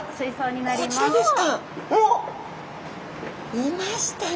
いましたね。